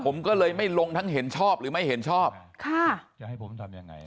ผมก็เลยไม่ลงทั้งเห็นชอบหรือไม่เห็นชอบค่ะจะให้ผมทำยังไง